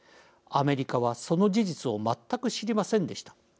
アメリカはその事実を全く知りませんでした。